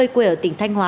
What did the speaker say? quê ở tỉnh thanh hóa